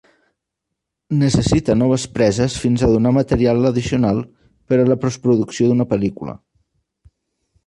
Necessita noves preses fins a donar material addicional per a la postproducció d'una pel·lícula.